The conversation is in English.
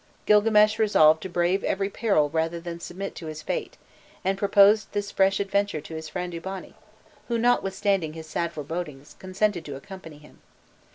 Gilgames resolved to brave every peril rather than submit to his fate, and proposed this fresh adventure to his friend Eabani, who, notwithstanding his sad forebodings, consented to accompany him.